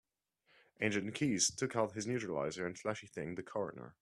Agent Keys took out his neuralizer and flashy-thinged the coroner.